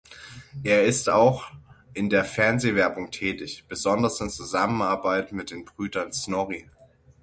Er ist auch in der Fernsehwerbung tätig, besonders in Zusammenarbeit mit den Brüdern Snorri.